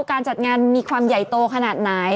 การจัดงานมีความใหญ่โตขนาดไหน